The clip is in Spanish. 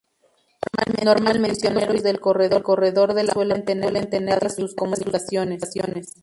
Normalmente, los prisioneros del corredor de la muerte suelen tener limitadas sus comunicaciones.